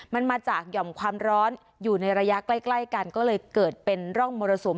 มันมาจากหย่อมความร้อนอยู่ในระยะใกล้กันก็เลยเกิดเป็นร่องมรสุม